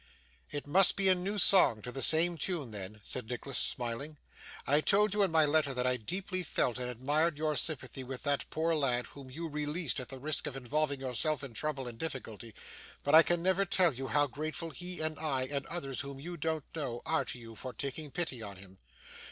'It must be a new song to the same tune then,' said Nicholas, smiling. 'I told you in my letter that I deeply felt and admired your sympathy with that poor lad, whom you released at the risk of involving yourself in trouble and difficulty; but I can never tell you how grateful he and I, and others whom you don't know, are to you for taking pity on him.